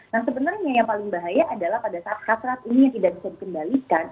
nah sebenarnya yang paling bahaya adalah pada saat hasrat ini tidak bisa dikendalikan